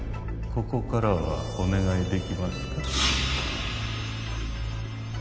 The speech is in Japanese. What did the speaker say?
ここからはお願い出来ますか？